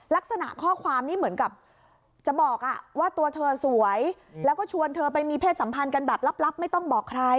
ลักษณะข้อความนี่เหมือนกับจะบอกว่าตัวเธอสวยแล้วก็ชวนเธอไปมีเพศสัมพันธ์กันแบบลับไม่ต้องบอกใคร